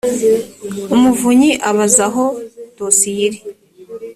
umuvunyi abaza aho dosiye iri.